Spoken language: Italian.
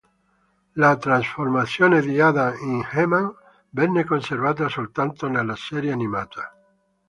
La trasformazione di Adam in He-Man venne conservata soltanto nella serie animata.